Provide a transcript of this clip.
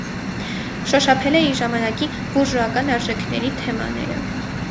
Շոշափել է իր ժամանակի բուրժուական արժեքներին թեմաները։